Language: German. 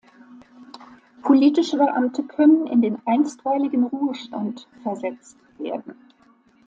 Politische Beamte können in den "einstweiligen Ruhestand" versetzt werden.